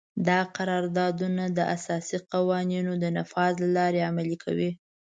دا قراردادونه د اساسي قوانینو د نفاذ له لارې عملي کوي.